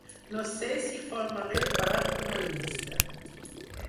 No sé si formaré part d’una llista.